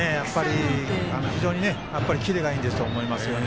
非常にキレがいいんだと思いますね。